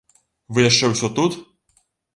Вы яшчэ ўсё тут?